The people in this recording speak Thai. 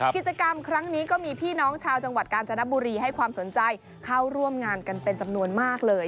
กิจกรรมครั้งนี้ก็มีพี่น้องชาวจังหวัดกาญจนบุรีให้ความสนใจเข้าร่วมงานกันเป็นจำนวนมากเลย